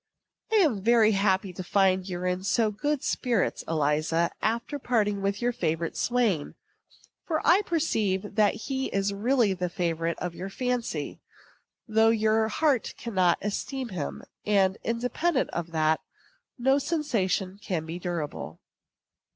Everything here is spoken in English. I am very happy to find you are in so good spirits, Eliza, after parting with your favorite swain; for I perceive that he is really the favorite of your fancy, though your heart cannot esteem him; and, independent of that, no sensations can be durable.